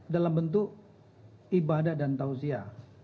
dalam bentuk ibadah dan tausia